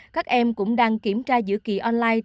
các em cũng đang kiểm tra giữa kỳ online